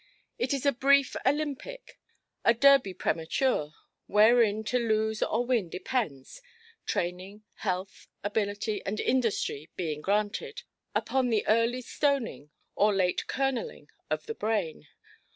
It is a brief Olympic, a Derby premature, wherein to lose or win depends—training, health, ability, and industry being granted—upon the early stoning or late kernelling of the brain.